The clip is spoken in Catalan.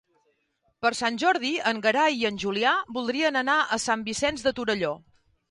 Per Sant Jordi en Gerai i en Julià voldrien anar a Sant Vicenç de Torelló.